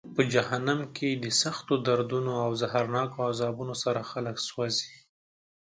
په جهنم کې د سختو دردونو او زهرناکو عذابونو سره خلک سوزي.